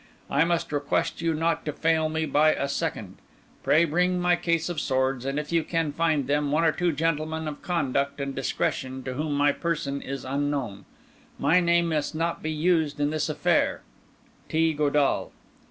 I must request you not to fail me by a second. Pray bring my case of swords, and, if you can find them, one or two gentlemen of conduct and discretion to whom my person is unknown. My name must not be used in this affair. T. Godall."